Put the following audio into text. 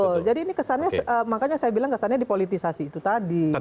betul jadi ini kesannya makanya saya bilang kesannya dipolitisasi itu tadi